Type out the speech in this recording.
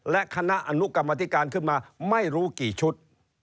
และคณะอนุกรรมธิการขึ้นมาไม่รู้กี่ชุด